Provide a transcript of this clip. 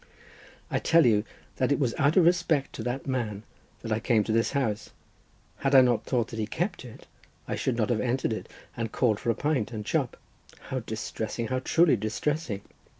"I tell you that it was out of respect to that man that I came to this house. Had I not thought that he kept it, I should not have entered it and called for a pint and chop. How distressing! how truly distressing!"